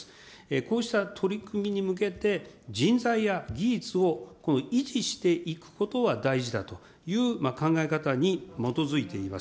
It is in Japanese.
こうした取り組みに向けて、人材や技術を維持していくことは大事だという考え方に基づいています。